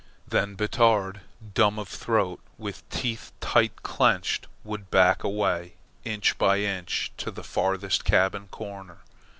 Then Batard, dumb of throat, with teeth tight clenched, would back away, inch by inch, to the farthest cabin corner.